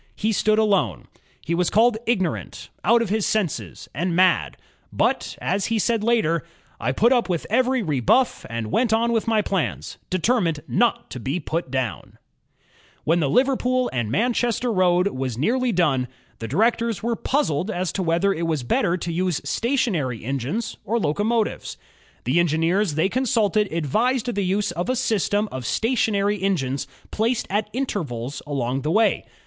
He stood alone. He was called "ignorant," "out of his senses," and "mad"; but as he said later, "I put up with every rebuff and went on with my plans, determined not to be put down," When the Liverpool and Manchester road was nearly GEORGE STEPHENSON 69 done, the directors were puzzled as to whether it was better to use stationary engines or locomotives. The engineers they consulted advised the use of a system of stationary engines placed at intervals along the way.